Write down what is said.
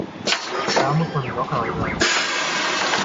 Da muss man locker bleiben.